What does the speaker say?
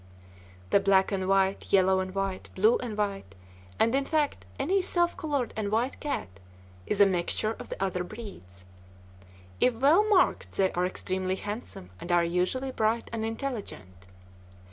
The black and white, yellow and white, blue and white, and in fact, any self colored and white cat is a mixture of the other breeds. If well marked they are extremely handsome and are usually bright and intelligent.